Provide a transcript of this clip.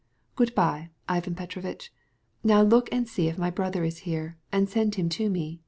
"Good bye, Ivan Petrovitch. And could you see if my brother is here, and send him to me?"